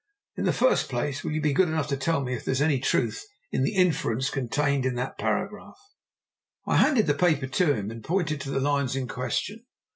"In the first place, will you be good enough to tell me if there is any truth in the inference contained in that paragraph." I handed the paper to him and pointed to the lines in question.